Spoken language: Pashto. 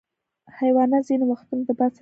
حیوانات ځینې وختونه د باد سره الوت کوي.